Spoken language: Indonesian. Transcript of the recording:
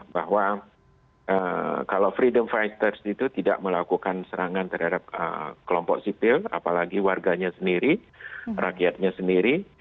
bahwa kalau freedom fighters itu tidak melakukan serangan terhadap kelompok sipil apalagi warganya sendiri rakyatnya sendiri